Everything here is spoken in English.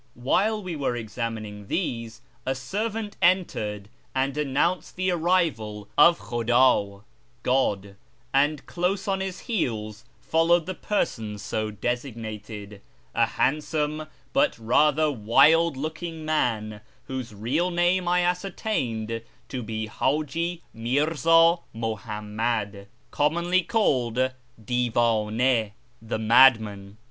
While we were examining these, a servant entered and announced the arrival of " Khudd" ("God"), and close on his heels followed the person so designated — a handsome, but rather wild looking man — whose real name I ascertained to be Haji Mirzii Muhammad, commonly called " Divdn6" ("the Madman").